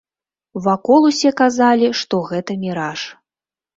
Вакол усе казалі, што гэта міраж.